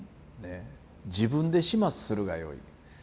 自分で始末するがよい。